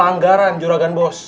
banggaran juragan bos